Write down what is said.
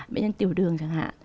bệnh nhân tiểu đường chẳng hạn